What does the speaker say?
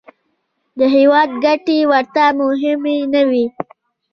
د هېواد ګټې ورته مهمې نه وې.